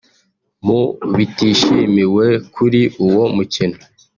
Mu bitishimiwe kuri uwo mukino